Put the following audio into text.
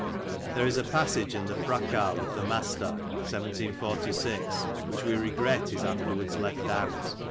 There is a passage in the fracas with the master (1746) which we regret is afterwards left out.